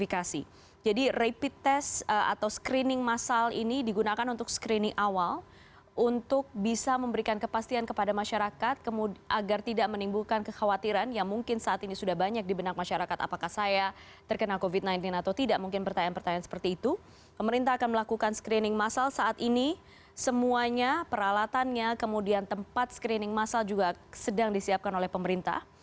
kalau kemudian kita perhatikan faktor yang lain maka hampir seluruhnya memiliki penyakit pendahulu atau komorbit